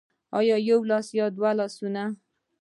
يو لاس او دوه لاسونه